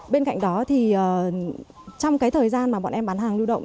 bên cạnh đó thì trong cái thời gian mà bọn em bán hàng lưu động